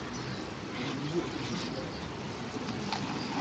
Il est milieu offensif ou attaquant.